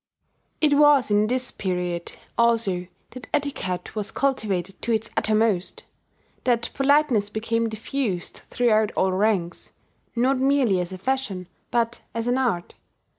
It was in this period also that etiquette was cultivated to its uttermost, that politeness became diffused throughout all ranks, not merely as a fashion, but as an art.